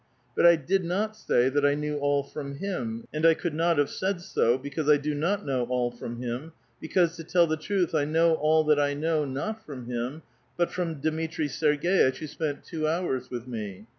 But I did not say that I knew all from him, and £ could not have said so, because I do not know all from him ; because, to tell the truth, I know all that I know, not from him, but from Dmitri Serg^itch, who spent two hours with me.